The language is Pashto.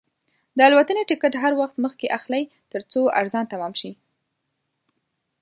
د الوتنې ټکټ هر وخت مخکې اخلئ، ترڅو ارزان تمام شي.